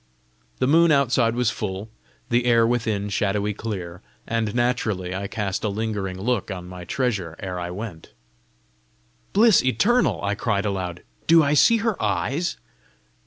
The moon outside was full, the air within shadowy clear, and naturally I cast a lingering look on my treasure ere I went. "Bliss eternal!" I cried aloud, "do I see her eyes?"